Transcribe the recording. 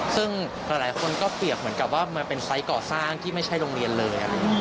ซึ่งหลายคนก็เปรียบเหมือนกับว่ามันเป็นไซส์ก่อสร้างที่ไม่ใช่โรงเรียนเลย